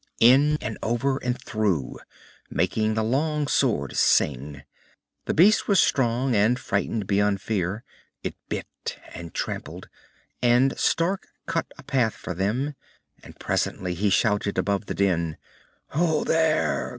In and over and through, making the long sword sing. The beast was strong, and frightened beyond fear. It bit and trampled, and Stark cut a path for them, and presently he shouted above the din, "Ho, there!